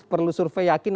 perlu survei yakin